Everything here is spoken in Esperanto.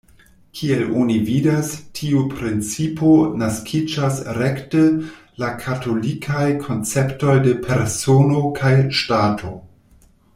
Kiel oni vidas tiu principo naskiĝas rekte la katolikaj konceptoj de "persono" kaj "ŝtato".